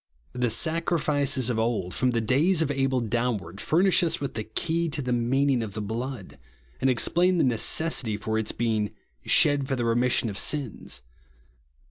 The sacrifices of old, from the days of Abel downward, furnish lis with ihi3 key to the meaning of the blood, and explain the necessity for its being "shed for the remission of sins."